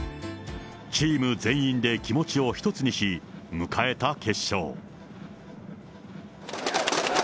チーム全員で気持ちを一つにし、迎えた決勝。